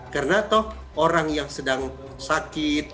karena orang yang sedang sakit